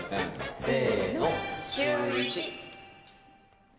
せーの、シューイチ。